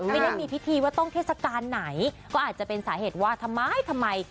ไม่ได้มีพิธีว่าต้องเทศกาลไหนก็อาจจะเป็นสาเหตุว่าทำไมทำไม